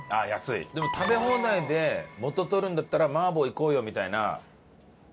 でも食べ放題で元を取るんだったら麻婆いこうよみたいな。